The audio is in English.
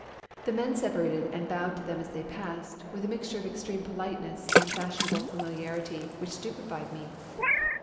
The men separated and bowed to them as they passed, with a mixture of extreme politeness and fashionable familiarity which stupefied me.